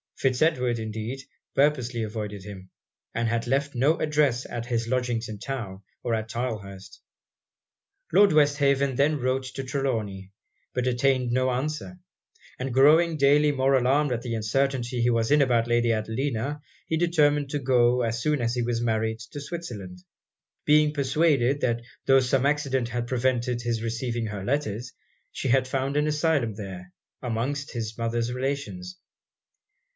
Fitz Edward, indeed, purposely avoided him, and had left no address at his lodgings in town, or at Tylehurst. Lord Westhaven then wrote to Trelawny, but obtained no answer; and growing daily more alarmed at the uncertainty he was in about Lady Adelina, he determined to go, as soon as he was married, to Switzerland; being persuaded that tho' some accident had prevented his receiving her letters, she had found an asylum there, amongst his mother's relations.